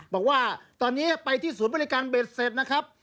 บอกว่าตอนนี้ไปที่ศูนย์บริการเบ็ดเสร็จนะครับ